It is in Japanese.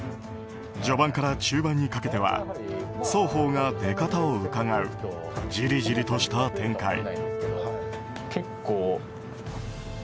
序盤から中盤にかけては双方が出方をうかがうじりじりとした展開。